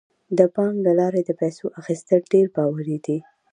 د بانک له لارې د پیسو اخیستل ډیر باوري دي.